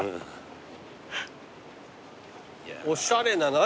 おしゃれな何？